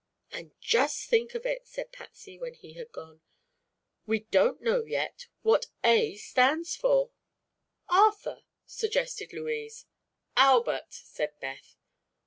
"And just think of it," said Patsy, when he had gone. "We don't know yet what that 'A' stands for!" "Arthur," suggested Louise. "Albert," said Beth.